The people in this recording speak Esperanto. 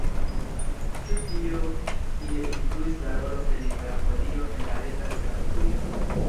Ĉu tio iel influis la rolon de Libera Folio en la reta Esperantujo?